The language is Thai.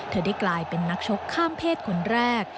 เธอได้กลายเป็นนักชกข้ามเพศคนแรก